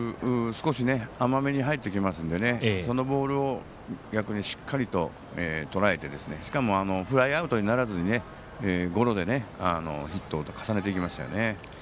少し甘めに入ってきますのでそのボールをしっかりととらえて、フライアウトにならずゴロでヒットを重ねていきましたよね。